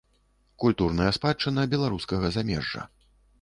Культурная спадчына беларускага замежжа.